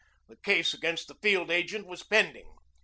The case against the field agent was pending.